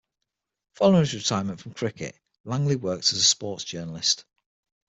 Following his retirement from cricket, Langley worked as a sports journalist.